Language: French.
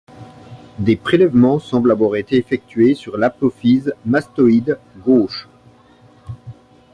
Des prélèvements semblent avoir été effectués sur l'apophyse mastoïde gauche.